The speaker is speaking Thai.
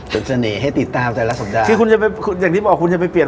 เป็นเสน่ห์ให้ติดตามแต่ละสัปดาห์คือคุณจะไปอย่างที่บอกคุณจะไปเปลี่ยน